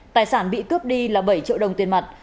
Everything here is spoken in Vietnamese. tài sản bị cướp đi là bảy triệu đồng tiền mặt